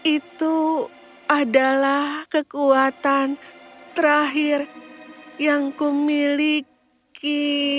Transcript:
itu adalah kekuatan terakhir yang kumiliki